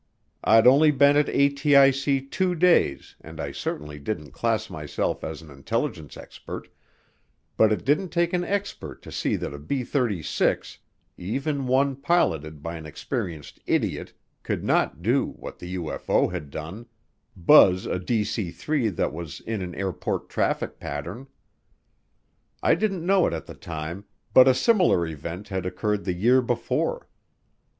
I'd only been at ATIC two days and I certainly didn't class myself as an intelligence expert, but it didn't take an expert to see that a B 36, even one piloted by an experienced idiot, could not do what the UFO had done buzz a DC 3 that was in an airport traffic pattern. I didn't know it at the time but a similar event had occurred the year before.